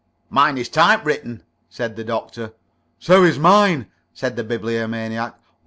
"Mine is typewritten," said the Doctor. "So is mine," said the Bibliomaniac.